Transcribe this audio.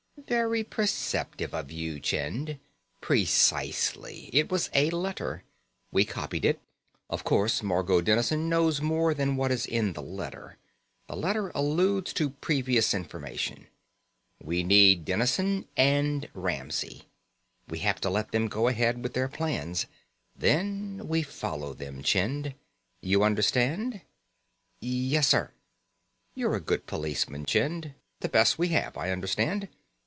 "Very perceptive of you, Chind. Precisely. It was a letter. We copied it. Of course, Margot Dennison knows more than what is in the letter; the letter alludes to previous information. We need Dennison and Ramsey. We have to let them go ahead with their plans. Then we follow them, Chind. You understand?" "Yes, sir." "You're a good policeman, Chind. The best we have, I understand.